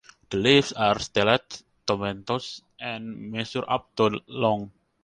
The leaves are stellate tomentose and measure up to long.